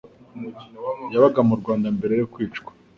yabaga mu Rwanda mbere yo kwicwa